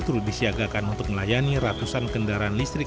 turut disiagakan untuk melayani ratusan kendaraan listrik